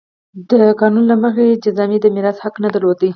د قانون له مخې جذامي د میراث حق نه درلود.